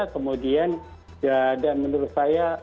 kemudian dan menurut saya